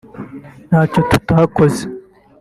ntacyo tutakoze